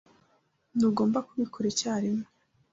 Ntugomba kubikora icyarimwe.